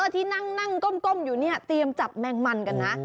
ที่นั่งก้มอยู่เนี่ยเตรียมจับแมงมันกันนะ